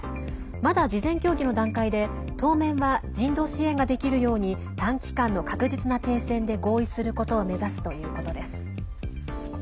まだ事前協議の段階で当面は人道支援ができるように短期間の確実な停戦で合意することを目指すということです。